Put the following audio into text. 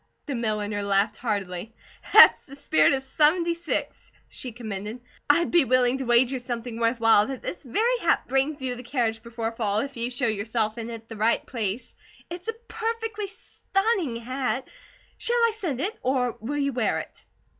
The milliner laughed heartily. "That's the spirit of '76," she commended. "I'd be willing to wager something worth while that this very hat brings you the carriage before fall, if you show yourself in it in the right place. It's a perfectly stunning hat. Shall I send it, or will you wear it?"